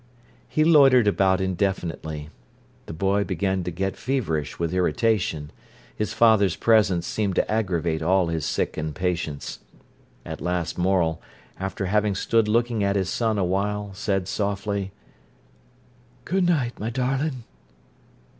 He loitered about indefinitely. The boy began to get feverish with irritation. His father's presence seemed to aggravate all his sick impatience. At last Morel, after having stood looking at his son awhile, said softly: "Good night, my darling."